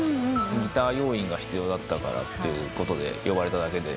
ギター要員が必要だったからっていうことで呼ばれただけで。